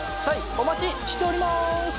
お待ちしております！